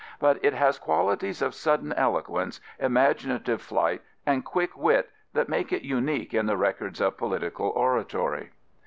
But it has qualities of sudden eloquence, imaginative flight and quick wit that make it unique in the records of political oratory.